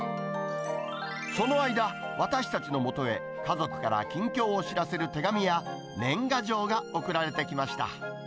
その間、私たちのもとへ家族から近況を知らせる手紙や、年賀状が送られてきました。